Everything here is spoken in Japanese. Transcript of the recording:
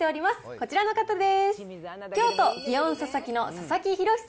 こちらの方です。